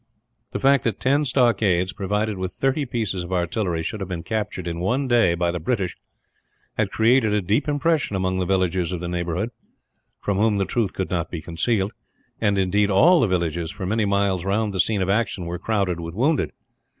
The fact that ten stockades, provided with thirty pieces of artillery, should have been captured in one day by the British, had created a deep impression among the villagers of the neighbourhood from whom the truth could not be concealed and indeed, all the villages, for many miles round the scene of action, were crowded with wounded.